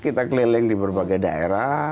kita keliling di berbagai daerah